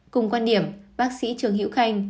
cùng quan điểm bác sĩ trường hiễu khanh